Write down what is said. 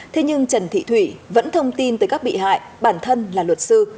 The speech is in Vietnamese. thế nhưng trần thị thủy vẫn thông tin tới các bị hại bản thân là luật sư